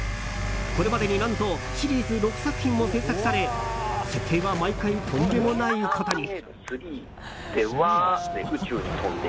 これまでに何とシリーズ６作品も制作され設定は毎回とんでもないことに。